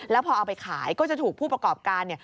แล้วพอเอาไปขายก็จะถูกผู้ประกอบการ